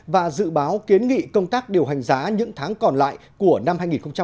và dự báo kiến nghị công tác điều hành giá những tháng còn lại của năm hai nghìn hai mươi